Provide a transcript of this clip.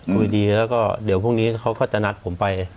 คุยดีแล้วก็เดี๋ยวพรุ่งนี้เขาก็จะนัดผมไป